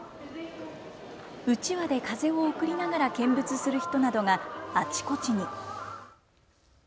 うちわで風を送りながら見物する人などがあちこちに。